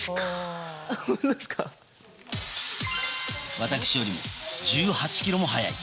私よりも１８キロも速い。